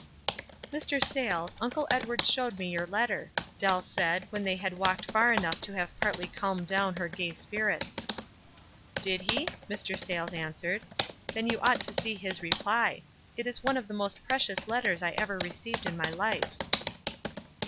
WISE AND OTHERWISE. 289 "Mr. Sayles, Uncle Edward showed me your letter," Dell said, when they had walked far enough to have partly calmed down her gay spirits. " Did he ?" Mr. Sayles answered. "Then you ought to see his reply. It is oue of the most precious letters I ever received in my life."